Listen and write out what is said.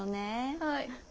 はい。